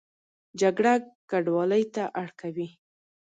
جګړه کډوالۍ ته اړ کوي